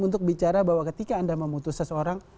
untuk bicara bahwa ketika anda memutus seseorang